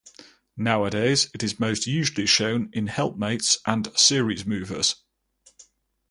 Nowadays it is most usually shown in helpmates and seriesmovers.